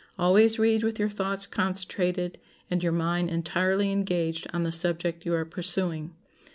Always read with your thoughts concentrated, and your mind entirely engaged on the subject you are pursuing.